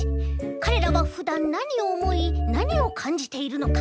かれらはふだんなにをおもいなにをかんじているのか？